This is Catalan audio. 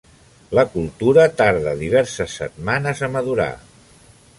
La cultura tarda diverses setmanes a madurar.